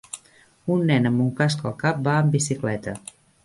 Un nen amb un casc al cap va amb bicicleta.